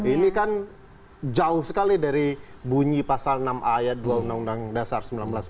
ini kan jauh sekali dari bunyi pasal enam a ayat dua undang undang dasar seribu sembilan ratus empat puluh lima